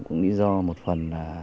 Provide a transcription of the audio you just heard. cũng lý do một phần